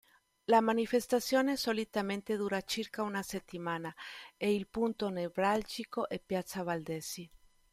La manifestazione solitamente dura circa una settimana e il punto nevralgico è piazza Valdesi.